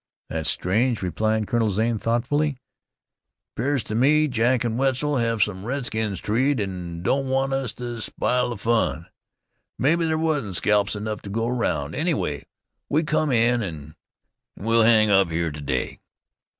"That's strange," replied Colonel Zane thoughtfully. "'Pears to me Jack and Wetzel hev some redskins treed, an' didn't want us to spile the fun. Mebbe there wasn't scalps enough to go round. Anyway, we come in, an' we'll hang up here to day."